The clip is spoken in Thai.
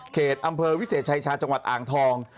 อำเภอวิเศษชายชาจังหวัดอ่างทอง